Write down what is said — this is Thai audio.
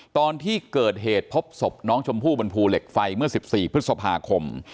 ตอนที่เกิดเหตุพบศพน้องชมพู่บนภูเหล็กไฟเมื่อ๑๔พฤษภาคม